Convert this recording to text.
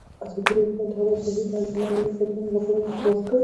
ازادي راډیو د د انتخاباتو بهیر په اړه د نړیوالو سازمانونو راپورونه اقتباس کړي.